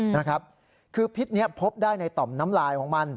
นะครับคือพิษนี้พบได้ในต่อมน้ำลายของมัน